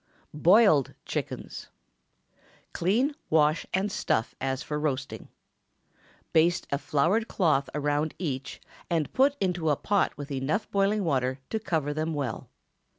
BOILED CHICKENS. Clean, wash, and stuff as for roasting. Baste a floured cloth around each, and put into a pot with enough boiling water to cover them well.